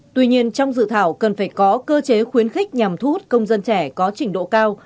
tuy nhiên trong dự thảo cần phải có cơ chế khuyến khích nhằm thu hút công dân trẻ có trình độ cao